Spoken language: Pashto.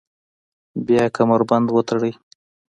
بیا یې کمربند وتړلو.